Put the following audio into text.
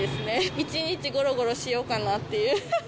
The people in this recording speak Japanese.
一日ごろごろしようかなっていう。